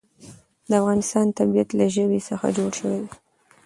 د افغانستان طبیعت له ژبې څخه جوړ شوی دی.